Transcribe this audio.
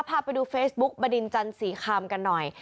พาไปดูเฟซบุ๊กบดินจันสีคำกันหน่อย